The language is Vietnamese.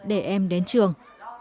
để em đến trường